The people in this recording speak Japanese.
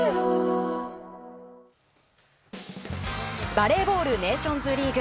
バレーボールネーションズリーグ。